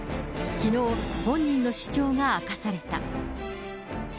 きのう、本人の主張が明かされた。